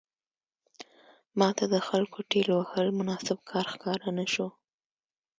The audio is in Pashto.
ماته د خلکو ټېل وهل مناسب کار ښکاره نه شو.